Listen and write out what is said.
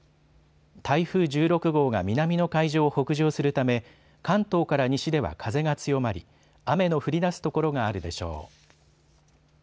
台風１６号が南の海上を北上するため関東から西では風が強まり、雨の降りだす所があるでしょう。